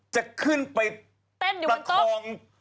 จะขึ้นไปประคอง